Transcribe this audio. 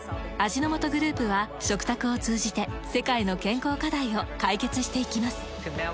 味の素グループは食卓を通じて世界の健康課題を解決していきます。